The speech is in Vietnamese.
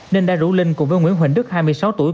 nên đã rủ linh cùng với nguyễn huỳnh đức hai mươi sáu tuổi